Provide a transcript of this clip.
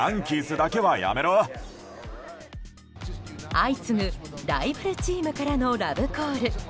相次ぐライバルチームからのラブコール。